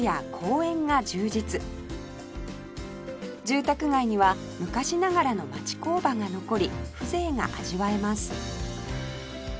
住宅街には昔ながらの町工場が残り風情が味わえます